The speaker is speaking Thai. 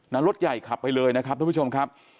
รถใหญ่ขับไปเลยนะครับทุกผู้ชมครับ